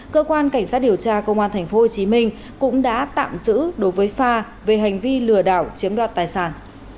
cơ quan cảnh sát điều tra công an tp hcm cũng đã tạm giữ đối với pha về hành vi lừa đảo chiếm đoạt tài sản